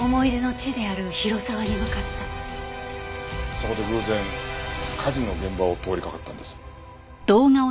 そこで偶然火事の現場を通りかかったんです。